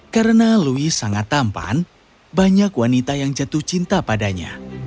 karena louis sangat tampan banyak wanita yang jatuh cinta padanya